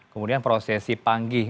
kemudian prosesi panggih